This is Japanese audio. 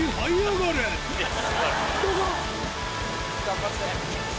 頑張って！